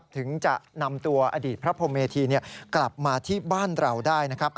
ถึงจะนำตัวอดีตพระพรมเมธีกลับมาที่บ้านเราได้นะครับ